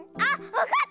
わかった！